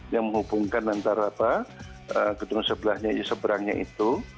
yang menghubungkan antara gedung sebelahnya seberangnya itu